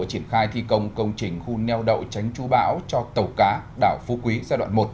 triển khai thi công công trình khu neo đậu tránh chú bão cho tàu cá đảo phú quý giai đoạn một